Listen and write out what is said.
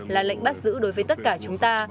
là lệnh bắt giữ đối với tất cả chúng ta